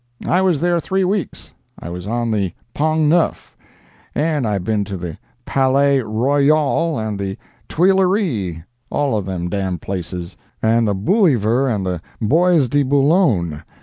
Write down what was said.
I was there three weeks. I was on the Pong Nuff, and I been to the Pal lay Ro yoll and the Tweeleree, all them d—d places, and the Boolyver and the Boys dee Bullone.